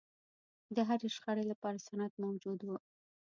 د هرې شخړې لپاره سند موجود و.